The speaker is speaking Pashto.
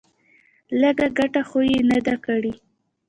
لږه گټه خو يې نه ده کړې.